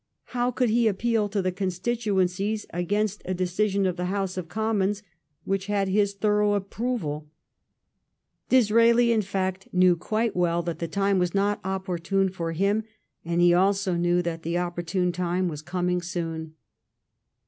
How could he appeal to the constituencies against a decision of the House of Commons which had his thorough approval ? Dis raeli, in fact, knew quite well that the time was not opportune for him, and he also knew that the oppor tune time was coming soon.